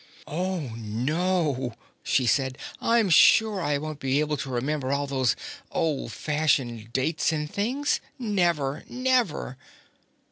"Oh, no," she said. "I'm sure I won't be able to remember all those old fashioned dates and things. Never. Never."